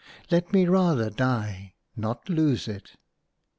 Let me rather die, not lose it!"